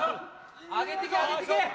上げてけ上げてけ。